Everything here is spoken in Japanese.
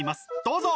どうぞ！